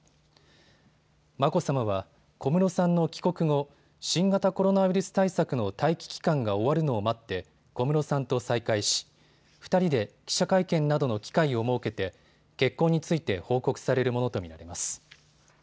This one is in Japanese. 眞子さまは小室さんの帰国後、新型コロナウイルス対策の待機期間が終わるのを待って小室さんと再会し２人で記者会見などの機会を設けて結婚について報告されるものと見られます。